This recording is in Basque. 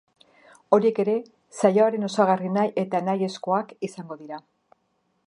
Horiek ere saioaren osagarri nahi eta nahiezkoak izango dira.